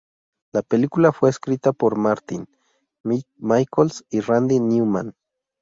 La película fue escrita por Martin, Michaels, y Randy Newman.